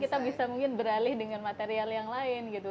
kita bisa mungkin beralih dengan material yang lain gitu